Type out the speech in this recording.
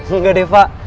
enggak deh pak